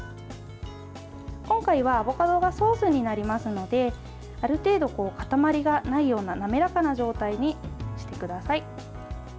今回はアボカドがソースになりますのである程度、塊がないような滑らかな状態にしてください。